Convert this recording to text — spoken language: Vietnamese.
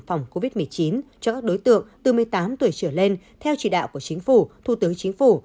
phòng covid một mươi chín cho các đối tượng từ một mươi tám tuổi trở lên theo chỉ đạo của chính phủ thủ tướng chính phủ